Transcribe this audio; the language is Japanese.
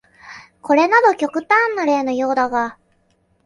これなど極端な例のようだが、